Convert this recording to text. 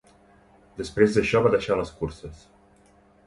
Després d'això va deixar de les curses.